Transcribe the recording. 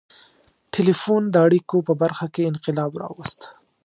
• ټیلیفون د اړیکو په برخه کې انقلاب راوست.